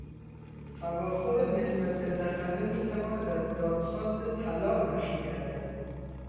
توافق نسبت به نفقه میتواند از دادخواست طلاق ناشی گردد.